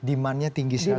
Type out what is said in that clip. demandnya tinggi sekali